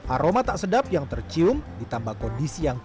aroma tak sedap yang tercium ditambah kondisi yang tidak